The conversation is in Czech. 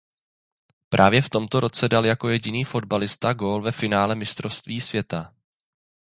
Právě v tomto roce dal jako jediný fotbalista gól ve finále Mistrovství světa.